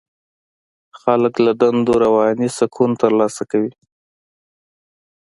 خلک له دندو رواني سکون ترلاسه کوي.